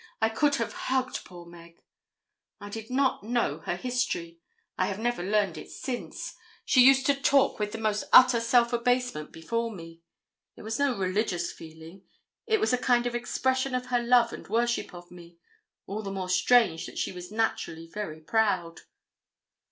I could have hugged poor Meg. I did not know her history. I have never learned it since. She used to talk with the most utter self abasement before me. It was no religious feeling it was a kind of expression of her love and worship of me all the more strange that she was naturally very proud.